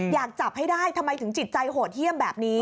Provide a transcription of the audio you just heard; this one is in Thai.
อยากจับให้ได้ทำไมถึงจิตใจโหดเยี่ยมแบบนี้